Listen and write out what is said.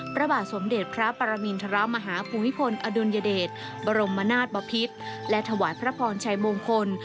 พระบาทสมเด็จพระปรมินทรมาฮภูมิพลอดุลยเดชบรมนาศบพิษและถวายพระพรชัยมงคล